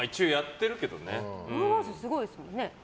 フォロワー数すごいですもんね。